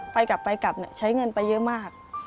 ไปกลับไปกลับใช้เงินไปเยอะมาก